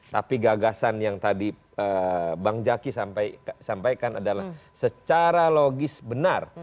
tapi gagasan yang tadi bang jaki sampaikan adalah secara logis benar